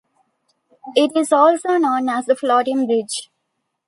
It is also known as the floating bridge.